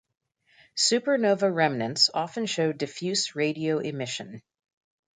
Supernova remnants often show diffuse radio emission.